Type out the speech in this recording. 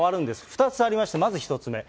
２つありまして、まず１つ目。